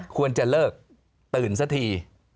ควรจะเลิกตื่นซะที